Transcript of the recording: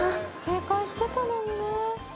警戒してたのにね。